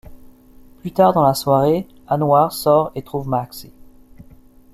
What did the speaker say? Plus tard dans la soirée, Anwar sort et trouve Maxxie.